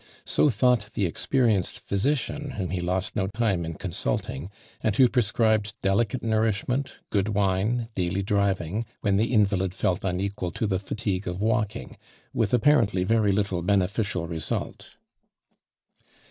» So thought the experienced physician whom he lost no time in consulting, and who prescribed de licate nourishment, good wine, daily driving, when the invalid felt unequal to the fatigue of walking, with apparently very little be neficial result.